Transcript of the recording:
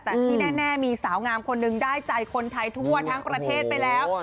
แต่ที่แน่มีสาวงามคนนึงได้ใจคนไทยทั่วทั้งประเทศไปแล้ว